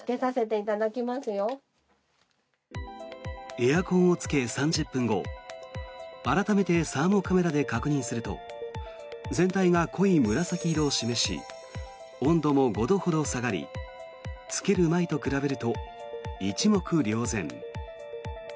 エアコンをつけ、３０分後改めてサーモカメラで確認すると全体が濃い紫色を示し温度も５度ほど下がりつける前と比べると、一目瞭然。